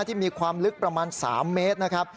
ที่มีความลึกประมาณ๓เมตรนะครับ